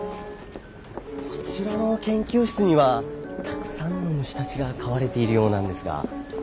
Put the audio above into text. こちらの研究室にはたくさんの虫たちが飼われているようなんですが。